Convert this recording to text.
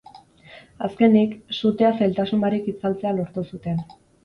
Azkenik, sutea zailtasun barik itzaltzea lortu zuten.